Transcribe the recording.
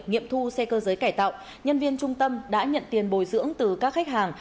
nghiệm thu xe cơ giới cải tạo nhân viên trung tâm đã nhận tiền bồi dưỡng từ các khách hàng